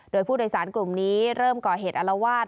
โดยผู้โดยสารกลุ่มนี้เริ่มก่อเหตุอารวาส